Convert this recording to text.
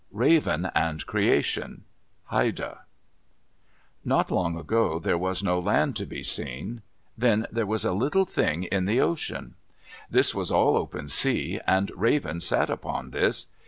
RAVEN AND CREATION Haida Not long ago, there was no land to be seen. Then there was a little thing in the ocean. This was all open sea, and Raven sat upon this.